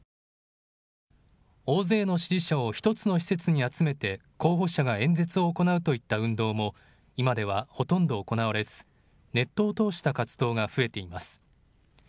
大勢の支持者を１つの施設に集めて候補者が演説を行うといった運動も今ではほとんど行われず、ネットを通した活動が増えています。